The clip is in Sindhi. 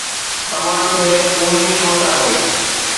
سماج ۾ اونهي کوٽ آهي